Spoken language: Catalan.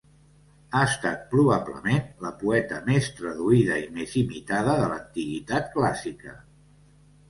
Ha estat probablement la poeta més traduïda i més imitada de l'antiguitat clàssica.